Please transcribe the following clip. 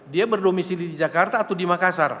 dia berdomisili di jakarta atau di makassar